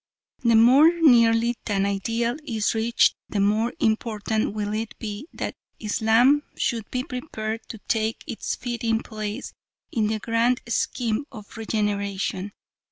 The more nearly that ideal is reached the more important will it be that Islam should be prepared to take its fitting place in the grand scheme of regeneration.